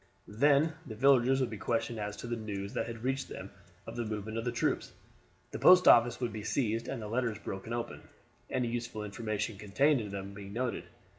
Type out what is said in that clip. Then the villagers would be questioned as to the news that had reached them of the movement of the troops; the post office would be seized and the letters broken open; any useful information contained in them being noted.